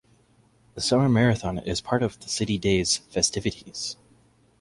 The summer marathon is part of the City Days festivities.